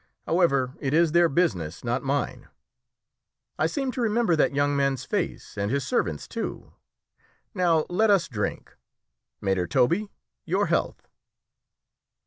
However, it is their business, not mine. I seem to remember that young man's face, and his servant's too. Now let us drink! Maître Tobie, your health!"